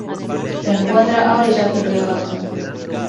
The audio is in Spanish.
Se encuentra a orillas del río Hudson.